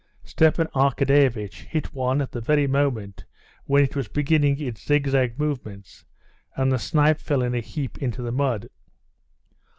Stepan Arkadyevitch hit one at the very moment when it was beginning its zigzag movements, and the snipe fell in a heap into the mud.